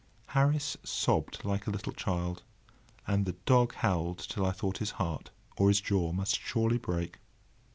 Harris sobbed like a little child, and the dog howled till I thought his heart or his jaw must surely break.